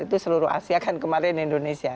itu seluruh asia kan kemarin indonesia